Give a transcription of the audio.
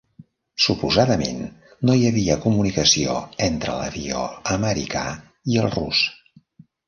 Suposadament, no hi havia comunicació entre l'avió americà i el rus.